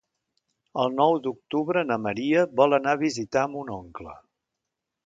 El nou d'octubre na Maria vol anar a visitar mon oncle.